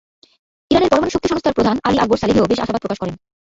ইরানের পরমাণু শক্তি সংস্থার প্রধান আলী আকবর সালেহিও বেশ আশাবাদ প্রকাশ করেন।